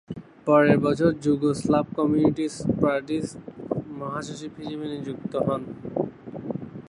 পরের বছর Yugoslav communist পার্টির মহাসচিব হিসেবে নিযুক্ত হন।